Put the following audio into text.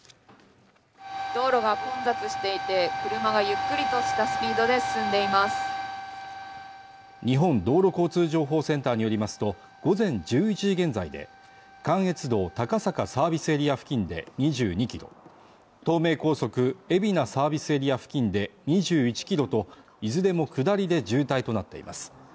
道路が混雑していて車がゆっくりとしたスピードで進んでいます日本道路交通情報センターによりますと午前１１時現在で関越道高坂サービスエリア付近で２２ｋｍ東名高速海老名サービスエリア付近で２１ｋｍといずれも下りで渋滞となっています